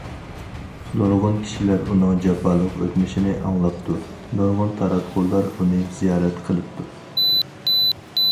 نۇرغۇن كىشىلەر ئۇنىڭ جاپالىق ئۆتمۈشىنى ئاڭلاپتۇ، نۇرغۇن تاراتقۇلار ئۇنى زىيارەت قىلىپتۇ.